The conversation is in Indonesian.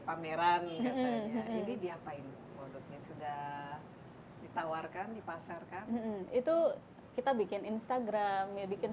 pameran katanya ini diapain produknya sudah ditawarkan dipasarkan itu kita bikin instagram ya bikin